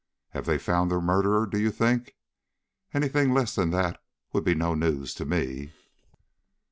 "Have they found the murderer, do you think? Any thing less than that would be no news to me."